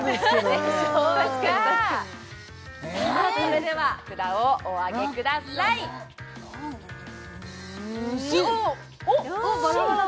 さあそれでは札をお上げくださいうん